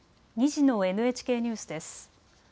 ２時のＮＨＫニュースです。